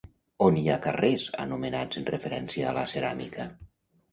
On hi ha carrers anomenats en referència a la ceràmica?